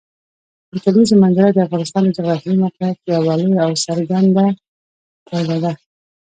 د کلیزو منظره د افغانستان د جغرافیایي موقیعت یوه لویه او څرګنده پایله ده.